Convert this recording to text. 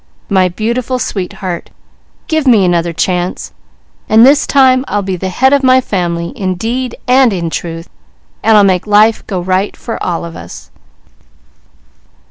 My beautiful sweetheart, give me another chance, and this time I'll be the head of my family in deed and in truth, and I'll make life go right for all of us."